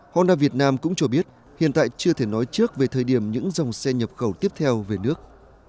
honda việt nam cũng cho biết hiện tại chưa thể nói trước về thời điểm những dòng xe nhập khẩu tiếp theo về nước